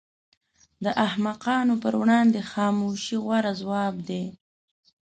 د احمقانو پر وړاندې خاموشي غوره ځواب دی.